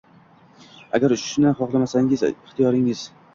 Agar uchishni xohlamasangiz, ixtiyoringiz